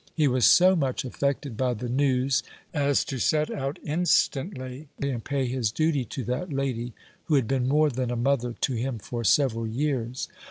He was so much affected by the news, as to set out instantly and pay his duty to that lady, who had been more than a mother to him for several years.